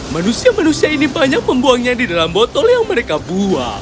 manusia manusia ini banyak membuangnya di dalam botol yang mereka buang